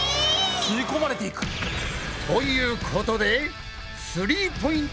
吸い込まれていく！ということでスリーポイント